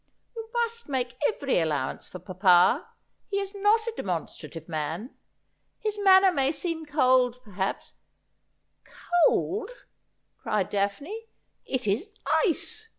' You must make every allowance for papa ; he is not a demonstrative man. His manner may seem cold, per haps —'' Cold !' cried Daphne ;' it is ice.